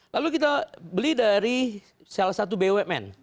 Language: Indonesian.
lalu kita beli dari salah satu bumn